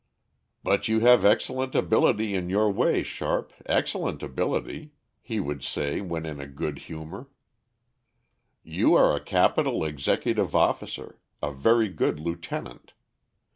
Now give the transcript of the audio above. "But you have excellent ability in your way, Sharp, excellent ability," he would say when in a good humor. "You are a capital executive officer a very good lieutenant.